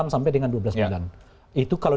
enam sampai dengan dua belas bulan itu kalau